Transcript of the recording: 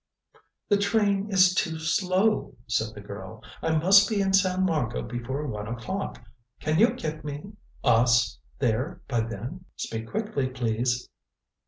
"The train is too slow," said the girl. "I must be in San Marco before one o'clock. Can you get me us there by then? Speak quickly, please."